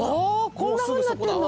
こんなふうになってんの？